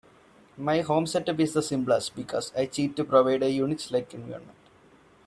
My home set up is simplest, because I cheat to provide a UNIX-like environment.